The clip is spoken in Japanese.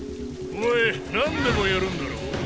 お前何でもやるんだろう？